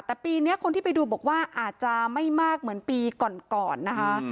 แต่ปีนี้คนที่ไปดูบอกว่าอาจจะไม่มากเหมือนปีก่อนก่อนนะคะ